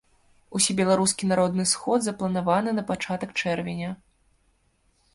Усебеларускі народны сход запланаваны на пачатак чэрвеня.